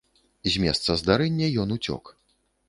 З месца здарэння ён уцёк.